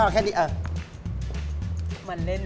ก๊อบอุวัสหรอ